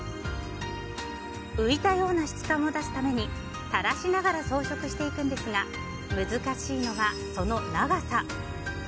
浮いたような質感を出すために垂らしながら装飾していくんですが難しいのは、その長さ。